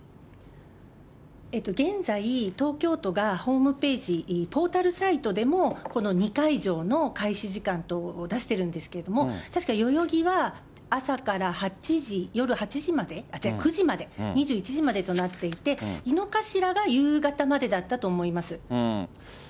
現在、東京都がホームページ、ポータルサイトでもこの２会場の開始時間等を出してるんですけれども、たしか代々木は朝から８時、夜９時まで、２１時までとなっていて、井の頭が夕方までだったと思います。